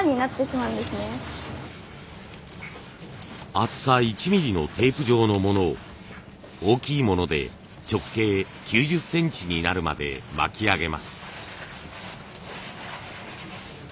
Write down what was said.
厚さ１ミリのテープ状のものを大きいもので直径９０センチになるまで巻き上げます。